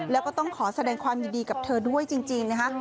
แล้วก็ต้องขอแสดงความยินดีกับเธอด้วยจริงนะคะ